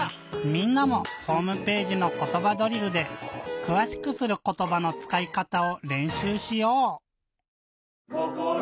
みんなもホームページの「ことばドリル」で「くわしくすることば」のつかいかたをれんしゅうしよう！